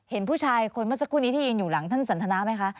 เห็นผู้ชายคนเมื่อสักครู่นี้ที่ยืนอยู่หลังท่านสันทนาไหมคะ